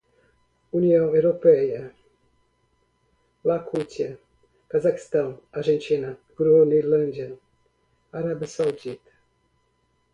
União Europeia, Iacútia, Cazaquistão, Argentina, Gronelândia, Arábia Saudita